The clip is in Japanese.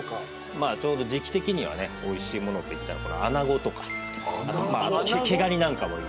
まあちょうど時季的にはねおいしいものといったらこのアナゴとか毛ガニなんかもいいですよね。